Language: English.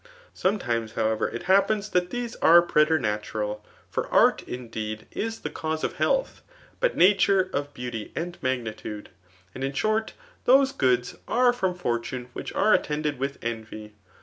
Sometimes, however, it happens tisat these are pretetlutural. For art^ indeed, is the cause of health ; but nature c^ beauty and magnitude. And in short, thote goods are from fortune which are attended with envy.